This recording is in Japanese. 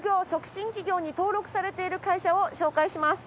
企業に登録されている会社を紹介します。